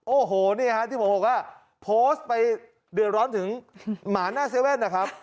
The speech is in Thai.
โอ้โหนี่ที่ผมโหกว่าโพสต์ไปเดือนร้อนถึงหมาหน้าเซเว่น